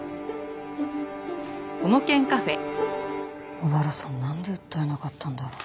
小原さんなんで訴えなかったんだろう？